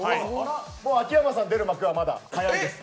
もう秋山さんの出る幕はまだ早いです。